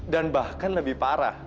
dan bahkan lebih parah